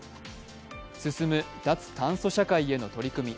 進む脱炭素社会への取り組み。